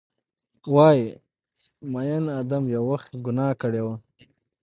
وایې ، میین ادم یو وخت ګناه کړي وه